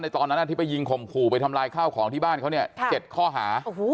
ตอนนั้นที่ไปยิงข่มขู่ไปทำลายข้าวของที่บ้านเขาเนี่ย๗ข้อหา